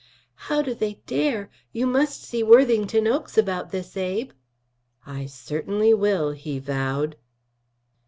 "How do they dare! You must see Worthington Oakes about this, Abe." "I certainly will," he vowed.